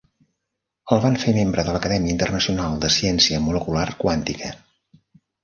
El van fer membre de l'Acadèmia Internacional de Ciència Molecular Quàntica.